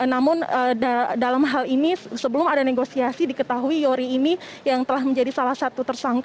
namun dalam hal ini sebelum ada negosiasi diketahui yori ini yang telah menjadi salah satu tersangka